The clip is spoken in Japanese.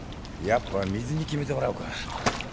やっぱ水に決めてもらうか？